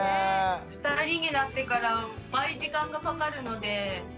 ２人になってから倍時間がかかるのでえ